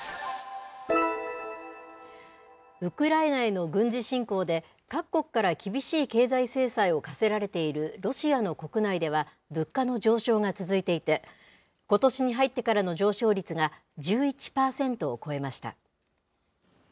ウクライナへの軍事侵攻で、各国から厳しい経済制裁を科せられているロシアの国内では、物価の上昇が続いていて、ことしに入ってからの上昇率が１１％を超えました。